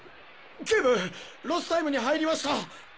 警部ロスタイムに入りました！